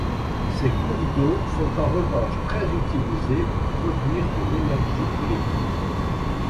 Ces cours d'eau sont en revanche très utilisés pour produire de l'énergie électrique.